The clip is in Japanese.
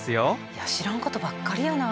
いや知らんことばっかりやな。